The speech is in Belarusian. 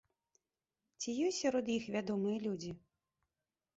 Ці ёсць сярод іх вядомыя людзі?